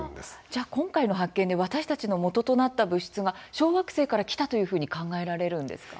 じゃあ、今回の発見で私たちのもととなった物質が小惑星から来たというふうに考えられるんですか？